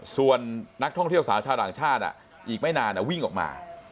ส่วนนักท่องเที่ยวสาวชาวต่างชาติอีกไม่นานวิ่งออกมา